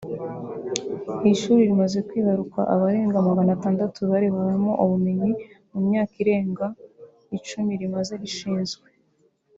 Iri shuri rimaze kwibaruka abarenga magana atandatu barihawemo ubumenyi mu myaka irenga icumi rimaze rishinzwe